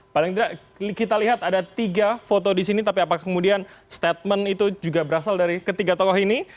paling tidak kita lihat ada tiga foto di sini tapi apakah kemudian statement itu juga berasal dari ketiga tokoh ini